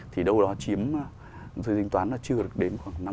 thì đâu đó chiếm tôi tính toán là chưa được đến khoảng năm